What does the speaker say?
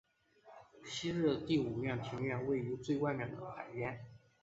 昔日的第五庭院位于最外面的海边。